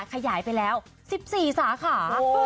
ขยายไปแล้ว๑๔สาขา